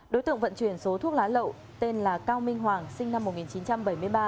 đối tượng vận chuyển số thuốc lá lậu tên là cao minh hoàng sinh năm một nghìn chín trăm bảy mươi ba